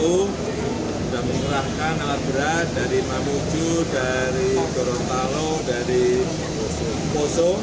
upu sudah mengelahkan alat berat dari mamuju dari gorontalo dari koso